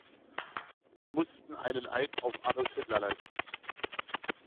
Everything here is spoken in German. Sie mussten einen Eid auf Adolf Hitler leisten.